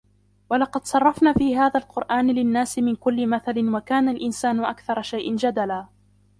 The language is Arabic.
ولقد صرفنا في هذا القرآن للناس من كل مثل وكان الإنسان أكثر شيء جدلا